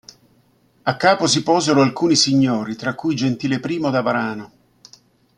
A capo si posero alcuni signori tra cui Gentile I da Varano.